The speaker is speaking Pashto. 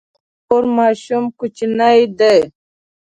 زما د خور ماشوم کوچنی دی